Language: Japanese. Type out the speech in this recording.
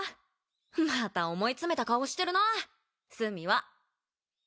また思い詰めた顔してるな須美は。